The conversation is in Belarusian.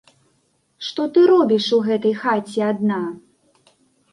Што ты робіш у гэтай хаце адна?